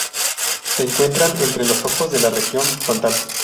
Se encuentran entre los ojos, en la región frontal.